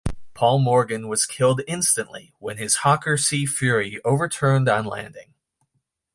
Paul Morgan was killed instantly when his Hawker Sea Fury over-turned on landing.